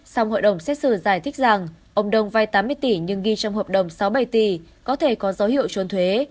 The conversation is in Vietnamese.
xong hội đồng xét xử giải thích rằng ông đông vai tám mươi tỷ nhưng ghi trong hợp đồng sáu bảy tỷ có thể có dấu hiệu trốn thuế